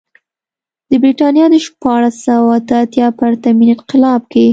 د برېټانیا د شپاړس سوه اته اتیا پرتمین انقلاب کې.